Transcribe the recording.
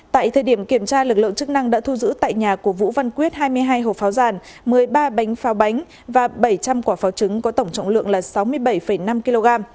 tại thời điểm kiểm tra lực lượng chức năng đã thu giữ tại nhà của vũ văn quyết hai mươi hai hộp pháo giàn một mươi ba bánh pháo bánh và bảy trăm linh quả pháo trứng có tổng trọng lượng là sáu mươi bảy năm kg